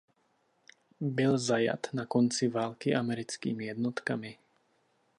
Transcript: Byl zajat na konci války americkými jednotkami.